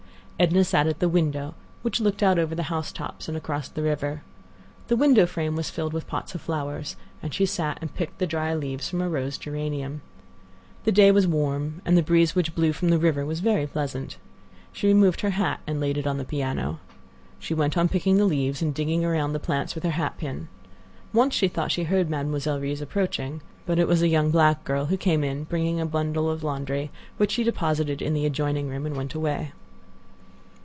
Edna sat at the window, which looked out over the house tops and across the river. The window frame was filled with pots of flowers, and she sat and picked the dry leaves from a rose geranium. The day was warm, and the breeze which blew from the river was very pleasant. She removed her hat and laid it on the piano. She went on picking the leaves and digging around the plants with her hat pin. Once she thought she heard Mademoiselle Reisz approaching. But it was a young black girl, who came in, bringing a small bundle of laundry, which she deposited in the adjoining room, and went away.